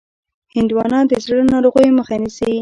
هندوانه د زړه ناروغیو مخه نیسي.